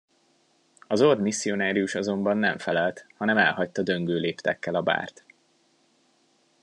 A zord misszionárius azonban nem felelt, hanem elhagyta döngő léptekkel a bárt.